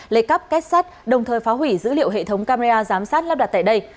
lấy cắp kết sắt đồng thời phá hủy dữ liệu hệ thống camera giám sát lắp đặt tại đây